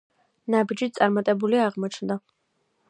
ნაბიჯი წარმატებული აღმოჩნდა.